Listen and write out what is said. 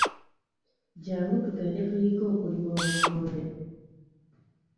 Jangu tugende tuyige okulima obumonde.